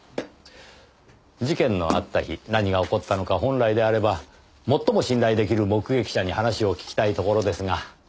事件のあった日何が起こったのか本来であれば最も信頼出来る目撃者に話を聞きたいところですが。